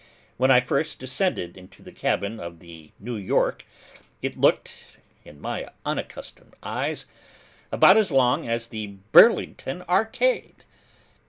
When I first descended into the cabin of the New York, it looked, in my unaccustomed eyes, about as long as the Burlington Arcade.